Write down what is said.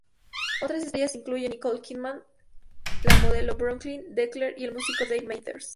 Otras estrellas incluyen Nicole Kidman, la modelo Brooklyn Decker y el músico Dave Matthews.